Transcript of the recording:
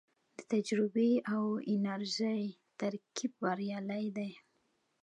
د تجربې او انرژۍ ترکیب بریالی دی